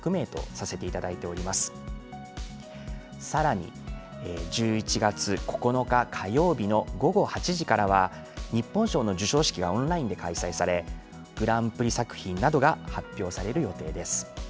さらに、１１月９日、火曜日の午後８時からは日本賞の授賞式がオンラインで開催されグランプリ作品などが発表される予定です。